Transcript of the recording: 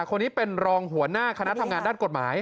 คนนี้เป็นรองหัวหน้าคณะทำงานด้านกฎหมาย